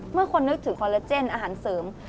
เมื่อคนนึกถึงคอลลาเจนอาหารเสริม